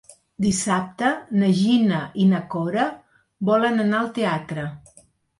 Dissabte na Gina i na Cora volen anar al teatre.